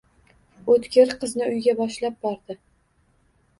O`tkir qizni uyiga boshlab bordi